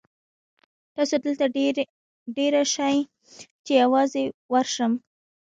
تاسو دلته دېره شئ چې زه یوازې ورشم.